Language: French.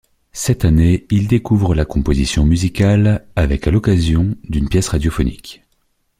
Cette année, il découvre la composition musicale avec à l'occasion d'une pièce radiophonique.